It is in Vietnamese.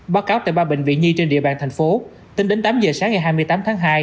báo cáo tại ba bệnh viện nhi trên địa bàn tp hcm tính đến tám h sáng ngày hai mươi tám tháng hai